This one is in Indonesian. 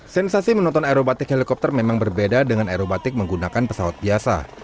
sensasi menonton aerobatik helikopter memang berbeda dengan aerobatik menggunakan pesawat biasa